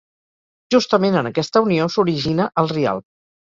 Justament en aquesta unió s'origina el Rialb.